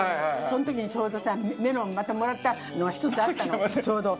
その時にちょうどさメロンまたもらったのが１つあったのちょうど。